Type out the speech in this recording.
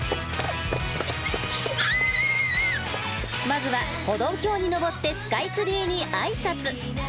まずは歩道橋に上ってスカイツリーに挨拶。